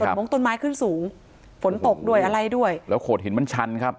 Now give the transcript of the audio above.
มงต้นไม้ขึ้นสูงฝนตกด้วยอะไรด้วยแล้วโขดหินมันชันครับ